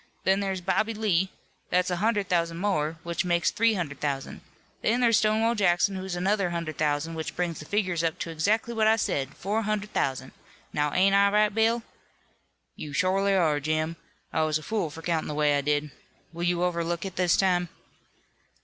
Then there's Bobby Lee. That's a hundred thousand more, which makes three hundred thousand. Then there's Stonewall Jackson, who's another hundred thousand, which brings the figures up to exactly what I said, four hundred thousand. Now, ain't I right, Bill?" "You shorely are, Jim. I was a fool for countin' the way I did. Will you overlook it this time?"